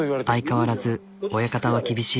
相変わらず親方は厳しい。